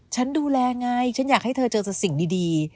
ฉันดูแลไงฉันอยากให้เธอเจอแต่สิ่งดี